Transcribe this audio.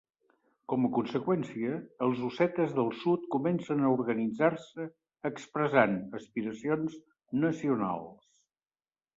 Com a conseqüència, els ossetes del sud comencen a organitzar-se expressant aspiracions nacionals.